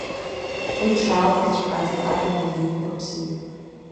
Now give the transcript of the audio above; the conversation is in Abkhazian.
Уи дшаалгазҵәҟьа, азҵаарақәа наиқәырԥсеит.